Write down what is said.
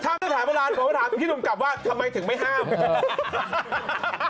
ถ้าไม่ได้แผนโบราณผมจะถามคิดผมกลับว่าทำไมถึงไม่ห้าม